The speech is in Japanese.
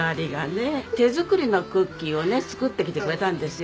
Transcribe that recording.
手作りのクッキーをね作ってきてくれたんですよ。